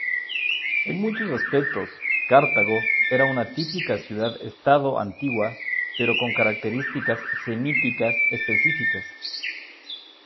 En muchos aspectos, Cartago era una típica ciudad-estado antigua, pero con características semíticas específicas.